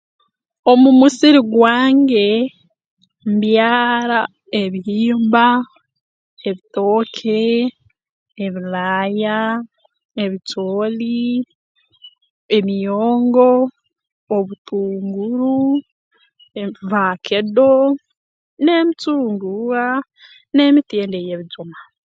Omu musiri gwange mbyara ebihimba ebitooke ebilaaya ebicooli emyongo obutunguru e vaakedo n'emicunguuwa n'emiti endi ey'ebijuma